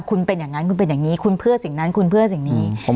คุณเป็นอย่างนั้นคุณเป็นอย่างนี้คุณเพื่อสิ่งนั้นคุณเพื่อสิ่งนี้